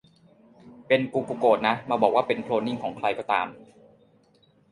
เป็นกูกูโกรธนะ มาบอกว่าเป็นโคลนนิงของใครก็ตาม